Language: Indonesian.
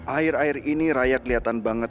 air air ini raya kelihatan banget